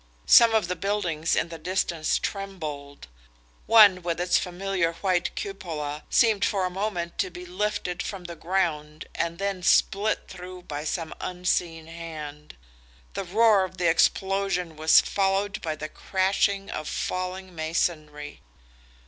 Some of the buildings in the distance trembled. One, with its familiar white cupola, seemed for a moment to be lifted from the ground and then split through by some unseen hand. The roar of the explosion was followed by the crashing of falling masonry.